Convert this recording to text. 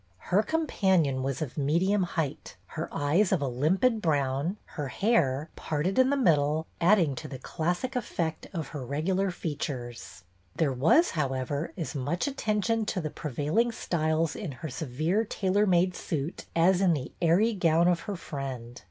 Her companion was of medium height, her 'eyes of a limpid brown, her hair, parted in the middle, adding to the classic effect of her regular features. There was, however, as much atten tion to the prevailing styles in her severe tailor made suit as in the airy gown of her friend.